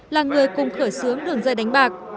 là người cùng khởi xướng đường dây đánh bạc